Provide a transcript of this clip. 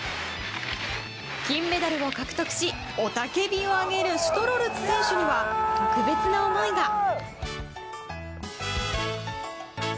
金メダルを獲得し雄たけびを上げるシュトロルツ選手には特別な思いが。